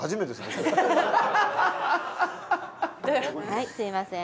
はいすいません。